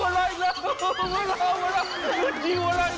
คุณจะทำแบบนี้มันไม่ดี